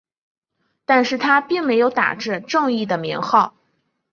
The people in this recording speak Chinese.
但是他并没有打着正义的名号。